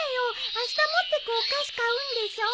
あした持ってくお菓子買うんでしょ。